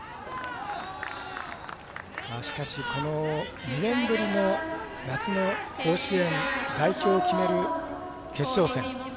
しかし、２年ぶりの夏の甲子園代表を決める決勝戦。